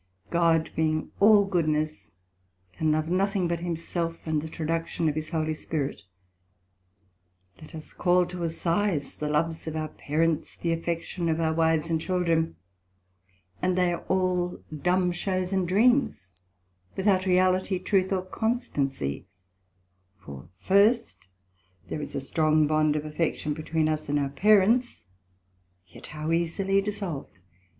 God being all goodness, can love nothing but himself, and the traduction of his holy Spirit. Let us call to assize the loves of our parents, the affection of our wives and children, and they are all dumb shows and dreams, without reality, truth or constancy: for first, there is a strong bond of affection between us and our Parents; yet how easily dissolved?